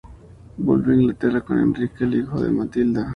Volvió a Inglaterra con Enrique, el hijo de Matilda.